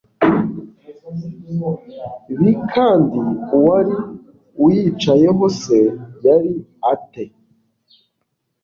b kandi uwari uyicayehoc yari a te